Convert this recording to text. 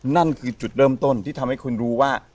นั่นคือจุดเริ่มต้นที่ทำให้คุณรู้ว่า